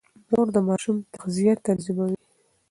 مور د ماشوم تغذيه تنظيموي.